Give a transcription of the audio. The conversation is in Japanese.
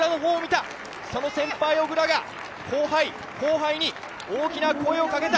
その先輩・小椋が後輩に大きな声をかけた。